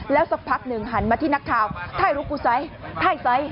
สักพักหนึ่งหันมาที่นักข่าวถ่ายรูปกูไซส์ถ่ายไซส์